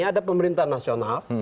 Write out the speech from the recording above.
ada pemerintahan nasional